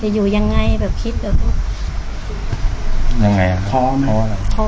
จะอยู่ยังไงแบบคิดอ่ะยังไงพอพอ